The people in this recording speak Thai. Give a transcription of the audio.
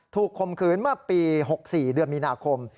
คมคืนเมื่อปี๖๔เดือนมีนาคม